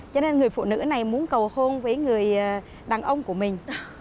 cho nên người phụ nữ này muốn cầu hôn với người đàn ông của mình